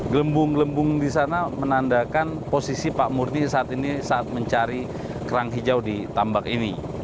gelembung gelembung di sana menandakan posisi pak murni saat ini saat mencari kerang hijau di tambak ini